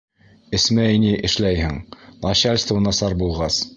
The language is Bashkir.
Эсмәй ни эшләйһең, начальство насар булғас.